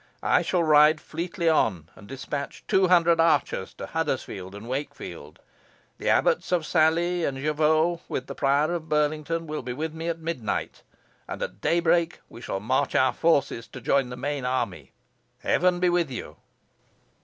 I shall ride fleetly on, and despatch two hundred archers to Huddersfield and Wakefield. The abbots of Salley and Jervaux, with the Prior of Burlington, will be with me at midnight, and at daybreak we shall march our forces to join the main army. Heaven be with you!"